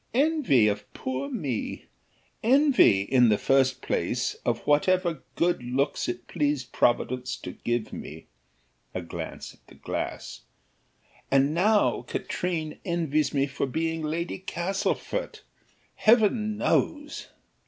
Envy of poor me! Envy, in the first place, of whatever good looks it pleased Providence to give me." A glance at the glass. "And now Katrine envies me for being Lady Castlefort, Heaven knows!